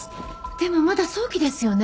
でもまだ早期ですよね？